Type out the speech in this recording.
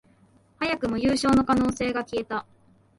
早くも優勝の可能性が消えた